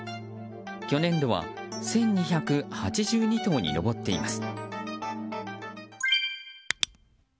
去年度は１２８２頭に上っています。